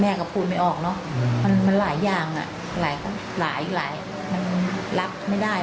แม่ก็พูดไม่ออกเนอะมันหลายอย่างอ่ะหลายอีกมันรับไม่ได้